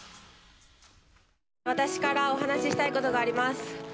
私からお話ししたいことがあります。